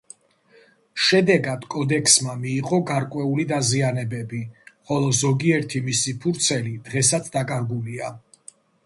შედეგად კოდექსმა მიიღო გარკვეული დაზიანებები, ხოლო ზოგიერთი მისი ფურცელი დღესაც დაკარგულია.